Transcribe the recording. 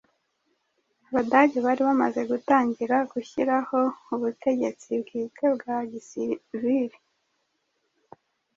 Abadage bari bamaze gutangira gushyiraho ubutegetsi bwite bwa gisiviri